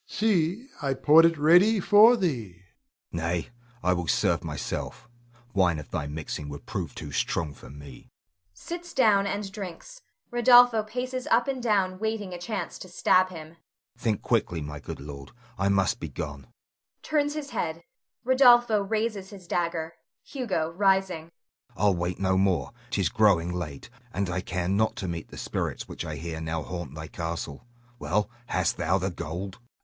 See! I poured it ready for thee. Hugo. Nay; I will serve myself. Wine of thy mixing would prove too strong for me [sits down and drinks. Rodolpho paces up and down waiting a chance to stab him]. Think quickly, my good lord; I must be gone [turns his head. R. raises his dagger. Hugo rising]. I'll wait no more; 'tis growing late, and I care not to meet the spirits which I hear now haunt thy castle. Well, hast thou the gold? Rod.